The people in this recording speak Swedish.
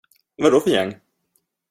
Vad då för gäng?